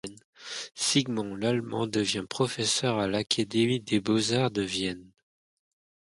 Siegmund L’Allemand devient professeur à l'Académie des Beaux-Arts de Vienne.